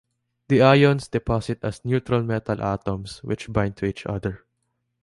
The ions deposit as neutral metal atoms, which bind to each other.